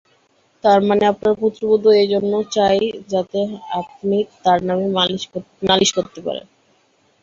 তার মানে আপনার পুত্রবধূ এই জন্য চাই যাতে আপনি তার নামে নালিশ করতে পারেন।